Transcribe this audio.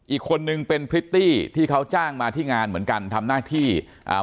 อีกคนนึงเป็นพริตตี้ที่เขาจ้างมาที่งานเหมือนกันทำหน้าที่อ่า